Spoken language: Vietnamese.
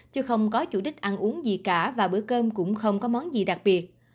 chứ không có chủ đích ăn uống gì cả và bữa cơm cũng không có món gì đặc biệt